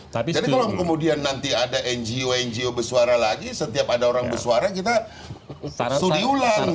jadi kalau kemudian nanti ada ngo ngo besuara lagi setiap ada orang besuara kita studi ulang